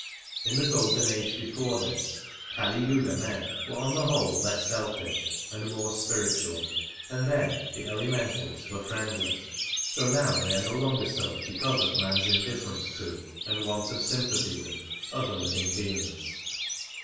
In the golden age before this KaHyuga men were on the whole less selfish and more spiritual, and then the " elementals " were friendly, though now they are no longer so because of man's indifference to, and want of sympathy with, other living beings.